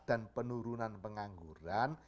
dan penurunan pengangguran